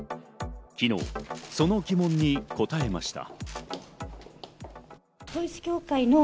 昨日、その疑問に答えました。